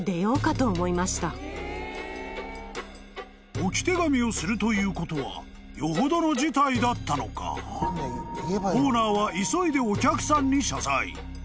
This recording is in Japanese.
［置き手紙をするということはよほどの事態だったのかオーナーは急いで］